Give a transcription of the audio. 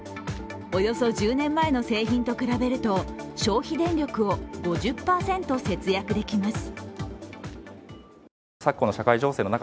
およそ１０年前の製品と比べると消費電力を５０％節約できます。